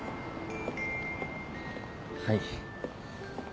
はい。